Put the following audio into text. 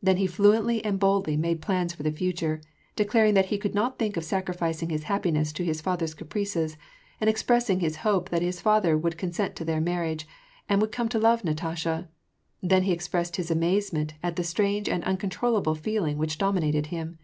Then he finently and boldly made plans for the future, declaring that he could not think of sacrificing his happiness to his father's caprices, and expressing his hope that his father would con sent to their marriage, and would come to love Natasha ; then he expressed his amazement at the strange and uncontrollable feeling which dominated him.